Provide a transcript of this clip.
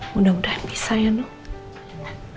mudah mudahan bisa ya nu